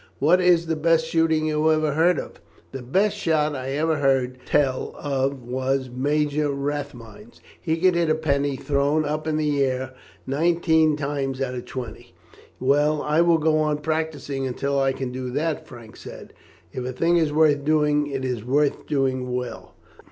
"What is the best shooting you ever heard of?" "The best shot I ever heard tell of was Major Rathmines. He could hit a penny thrown up into the air nineteen times out of twenty." "Well, I will go on practising until I can do that," Frank said. "If a thing is worth doing it is worth doing well."